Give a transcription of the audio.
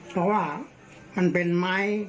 เพราะว่ามันเป็นไม้